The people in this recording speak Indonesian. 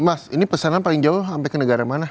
mas ini pesanan paling jauh sampai ke negara mana